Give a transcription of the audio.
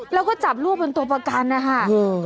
แล้วก็จับลูกเป็นตัวประกันนะคะ